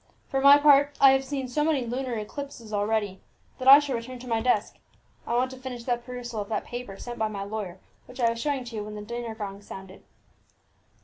"For my part, I have seen so many lunar eclipses already, that I shall return to my desk. I want to finish the perusal of that paper sent by my lawyer which I was showing to you when the dinner gong sounded."